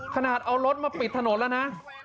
ขนาดเอารถมาปิดถนนแล้วนะ